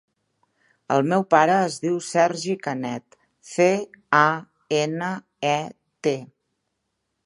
El meu pare es diu Sergi Canet: ce, a, ena, e, te.